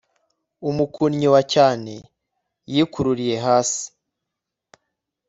umukunnyi wa cyane yikururiye hasi